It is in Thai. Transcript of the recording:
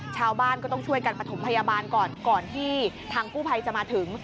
ชาวบ้านก็ต้องช่วยกันประถมพยาบาลก่อนก่อนที่ทางกู้ภัยจะมาถึง